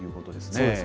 そうですね。